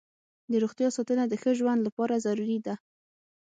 د روغتیا ساتنه د ښه ژوند لپاره ضروري ده.